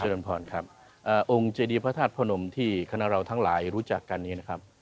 พรครับองค์เจดีพระธาตุพระนมที่คณะเราทั้งหลายรู้จักกันนี้นะครับ